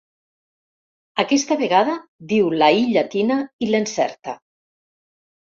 Aquesta vegada diu la i llatina i l'encerta.